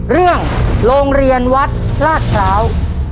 เรื่องโรงเรียนวัดราชพร้าว